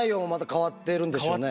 変わってるんでしょうね。